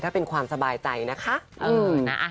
ถ้าเป็นความสบายใจนะคะ